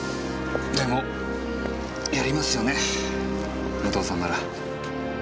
でもやりますよね武藤さんなら。